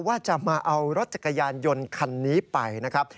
ว่าจะมาเอารถจักรยานยนต์คันนี้ไปนะครับ